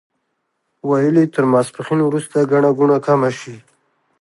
ویل یې تر ماسپښین وروسته ګڼه ګوڼه کمه شي.